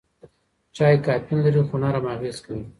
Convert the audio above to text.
چای کافین لري خو نرم اغېز کوي.